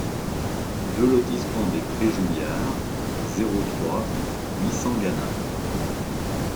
deux lotissement des Prés Juliards, zéro trois, huit cents Gannat